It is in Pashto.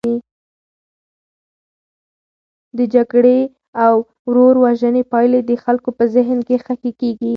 د جګړې او ورور وژنې پایلې د خلکو په ذهن کې خښي کیږي.